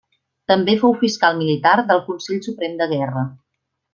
També fou fiscal militar del Consell Suprem de Guerra.